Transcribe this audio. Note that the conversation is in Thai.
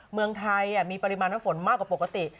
เมืองไทยมีปริมาณน้ำฝนมากกว่าปกติ